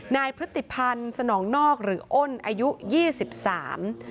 พฤติพันธ์สนองนอกหรืออ้นอายุยี่สิบสาม